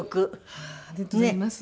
ありがとうございます。